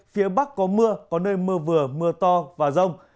phía bắc có mưa có nơi mưa vừa mưa to và rông